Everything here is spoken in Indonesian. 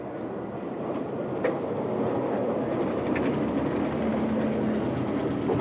terima kasih pak